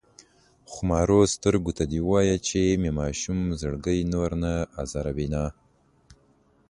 خمارو سترګو ته دې وايه چې مې ماشوم زړګی نور نه ازاروينه شي